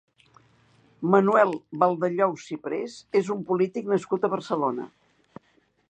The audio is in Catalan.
Manuel Baldellou Cipres és un polític nascut a Barcelona.